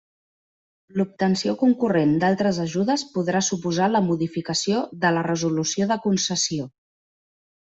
L'obtenció concurrent d'altres ajudes podrà suposar la modificació de la resolució de concessió.